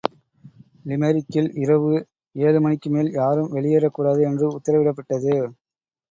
லிமெரிக்கில் இரவு ஏழு மணிக்கு மேல் யாரும் வெளியேறக்கூடாது என்று உத்தரவுவிடப்பட்டது.